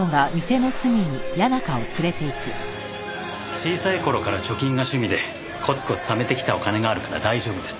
小さい頃から貯金が趣味でコツコツためてきたお金があるから大丈夫です。